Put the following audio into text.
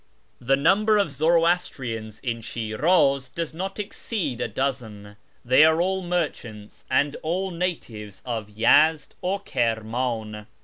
The number of Zoroastrians in Shiniz does not exceed a dozen. They are all merchants, and all natives of Yezd or Kirm; in.